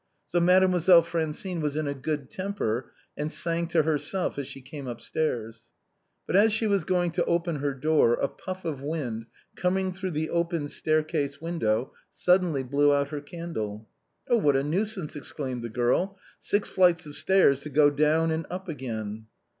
So Mademoiselle Francine was in a good temper, and sang to herself as she came upstairs. But as she was going to open her door a puff of wind, coming through the open staircase window, suddenly blew out her candle. " Oh ! what a nuisance," exclaimed the girl, " six flights of stairs to go down and up again."